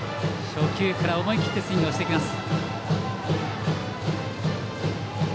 初球から思い切ってスイングしてきます。